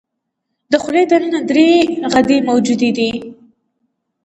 د خولې د ننه درې غدې موجودې دي.